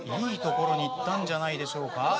いいところに行ったんじゃないでしょうか。